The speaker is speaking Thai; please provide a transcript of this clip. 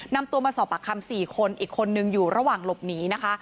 นำตัวมาสอบปากคำ๔คนอีกคนนึงอยู่ระหว่างหลบหนีนะคะ